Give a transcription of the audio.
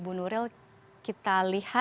dan harus ikuti prosesnya